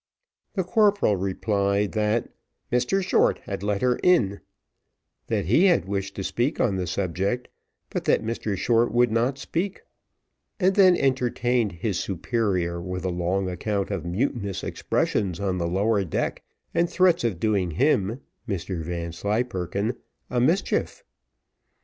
The corporal replied, "That Mr Short had let her in; that he had wished to speak on the subject, but that Mr Short would not speak," and then entertained his superior with a long account of mutinous expressions on the lower deck, and threats of doing him (Mr Vanslyperken) a mischief.